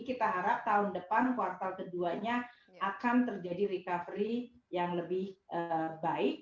kita harap tahun depan kuartal ke dua nya akan terjadi recovery yang lebih baik